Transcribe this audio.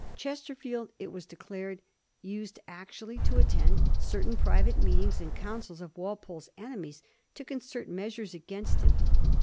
Chesterfield, it was declared, used actually to attend certain private meetings and councils of Walpole's enemies to concert measures against him.